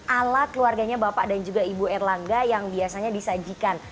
ala keluarganya bapak dan juga ibu erlangga yang biasanya disajikan